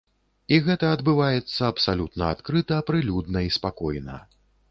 І гэта адбываецца абсалютна адкрыта, прылюдна і спакойна.